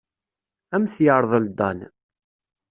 Ad am-t-yerḍel Dan.